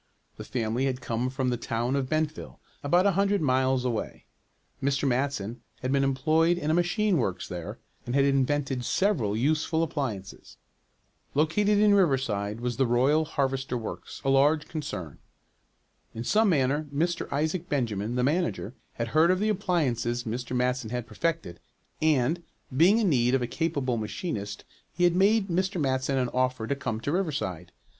The family had come from the town of Bentville, about a hundred miles away. Mr. Matson had been employed in a machine works there, and had invented several useful appliances. Located in Riverside was the Royal Harvester Works, a large concern. In some manner Mr. Isaac Benjamin, the manager, had heard of the appliances Mr. Matson had perfected, and, being in need of a capable machinist, he had made Mr. Matson an offer to come to Riverside.